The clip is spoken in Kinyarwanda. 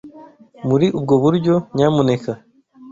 Muri ubwo buryo, nyamuneka